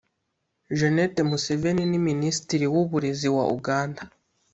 Janet Museveni ni Minisitiri w’ uburezi wa Uganda